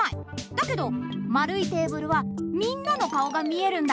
だけどまるいテーブルはみんなのかおがみえるんだ。